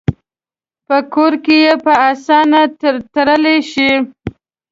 په کور کې یې په آسانه تړلی شي.